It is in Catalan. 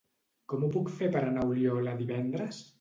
Com ho puc fer per anar a Oliola divendres?